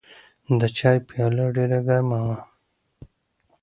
د چای پیاله ډېره ګرمه وه.